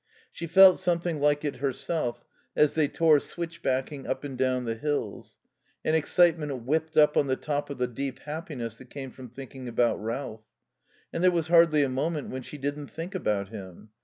She felt something like it herself as they tore switchbacking up and down the hills: an excitement whipped up on the top of the deep happiness that came from thinking about Ralph. And there was hardly a moment when she didn't think about him.